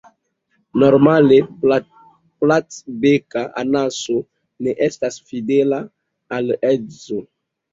Normale Platbeka anaso ne estas fidela al edzo.